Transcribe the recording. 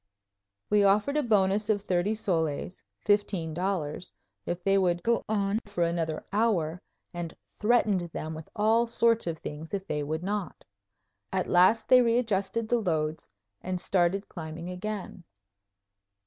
We offered a bonus of thirty soles fifteen dollars if they would go on for another hour, and threatened them with all sorts of things if they would not. At last they readjusted the loads and started climbing again.